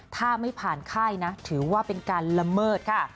ถ้าไม่ผ่านค่ายนะถือว่าเป็นการละเมิดค่ะ